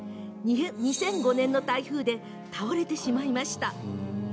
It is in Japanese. ２００５年の台風で倒れてしまいました。